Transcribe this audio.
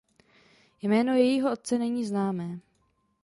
Jméno jejího otce není známé.